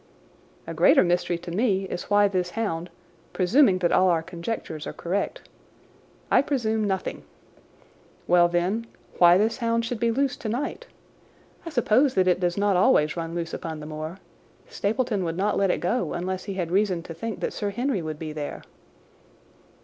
"A greater mystery to me is why this hound, presuming that all our conjectures are correct—" "I presume nothing." "Well, then, why this hound should be loose tonight. I suppose that it does not always run loose upon the moor. Stapleton would not let it go unless he had reason to think that Sir Henry would be there."